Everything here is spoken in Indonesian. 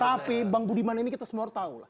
tapi bang budiman ini kita semua tahu